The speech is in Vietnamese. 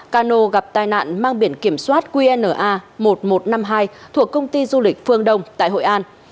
cano gặp tai nạn mang biển kiểm soát qna một nghìn một trăm năm mươi hai thuộc công ty du lịch phương đông tại hội an